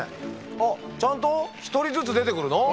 あっちゃんと１人ずつ出てくるの？